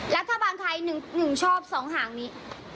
รัฐบาลไทย๑ชอบ๒หางนี้